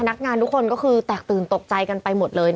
นักงานทุกคนก็คือแตกตื่นตกใจกันไปหมดเลย